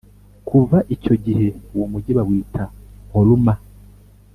Kuva icyo gihe uwo mugi bawita Horuma.